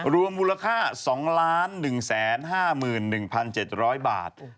รวมมูลค่า๒๑๕๑๗๐๐บาท